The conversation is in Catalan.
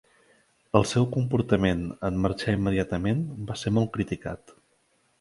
El seu comportament en marxar immediatament va ser molt criticat.